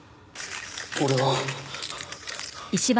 俺は。